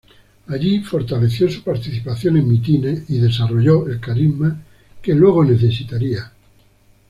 Allí fortaleció su participación en mítines y desarrolló el carisma que luego necesitaría.